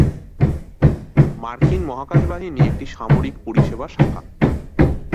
মার্কিন মহাকাশ বাহিনী একটি সামরিক পরিষেবা শাখা।